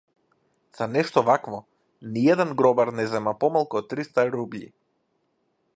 За нешто вакво ниеден гробар не зема помалку од триста рубљи.